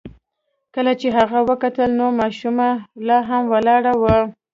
کله چې هغه وکتل نو ماشومه لا هم ولاړه وه.